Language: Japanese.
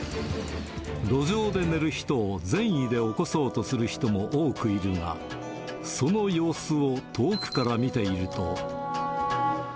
路上で寝る人を善意で起こそうとする人も多くいるが、その様子を遠くから見ていると。